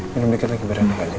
minum sedikit lagi biar enakan ya